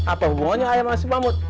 apa hubungannya ayam sama si mamut